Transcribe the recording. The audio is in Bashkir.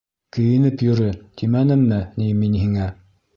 Кейенеп йөрө, тимәнемме ни мин һиңә?